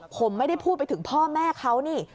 ผมไม่ได้พูดไปถึงพ่อแม่เขานี่